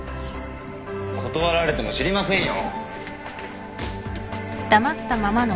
断られても知りませんよ。